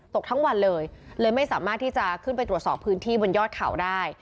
ตกทั้งวันเลยเลยไม่สามารถที่จะขึ้นไปตรวจสอบพื้นที่บนยอดเขาได้